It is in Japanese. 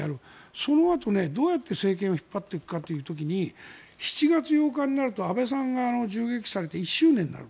そのあとどうやって政権を引っ張っていくかという時に７月８日になると安倍さんが銃撃されて１周年なの。